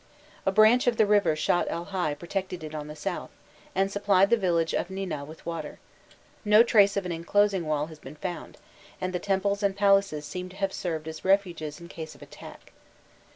A branch of the river Shatt el Hai protected it on the south, and supplied the village of Nina with water; no trace of an inclosing wall has been found, and the temples and palaces seem to have served as refuges in case of attack.